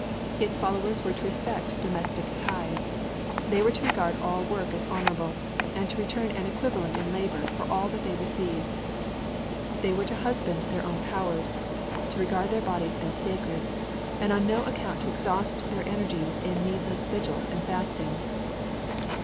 His followers were to respect domestic ties; they were to regard all work as honorable, and to return an equivalent in labor for all that they received. They were to husband their own powers; to regard their bodies as sacred, and on no account to exhaust their energies in needless vigils and fastings.